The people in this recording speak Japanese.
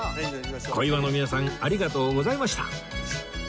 小岩の皆さんありがとうございました